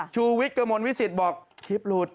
ชูวิทย์กระมวลวิสิตบอกคลิปหลุด